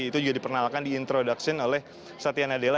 itu juga diperkenalkan diintroduksi oleh satya nadella